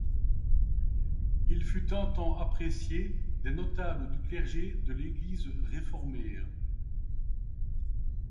Il fut un temps apprécié des notables du clergé de l'église réformée.